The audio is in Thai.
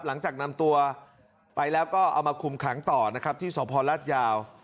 หลังจากนำตัวไปแล้วก็เอามาคุมขังต่อนะครับที่สพลาดยาว